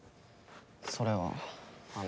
それはあの。